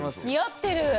似合ってる！